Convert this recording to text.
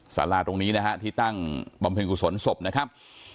สาราตรงนี้นะฮะที่ตั้งบำเพ็ญกุศลศพนะครับ